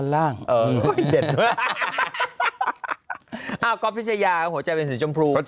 ล้านล่าง